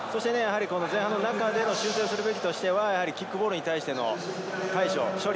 前半の中での修正するべき点としてキックボールに対しての対処。